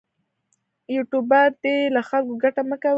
یوټوبر دې له خلکو ګټه مه کوي.